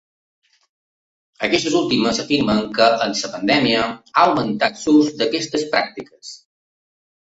Aquestes últimes afirmen que amb la pandèmia ha augmentat l’ús d’aquestes pràctiques.